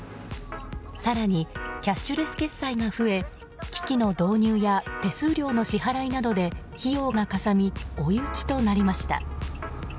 更にキャッシュレス決済が増え機器の導入や手数料の支払いなどで費用がかさみ追い打ちとなりました。